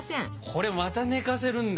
これまた寝かせるんだ？